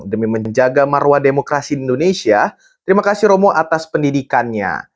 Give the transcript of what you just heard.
demi menjaga marwah demokrasi di indonesia terima kasih romo atas pendidikannya